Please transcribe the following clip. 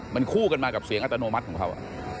มันคู่กันมากับเสียงอัตโนมัติของเขา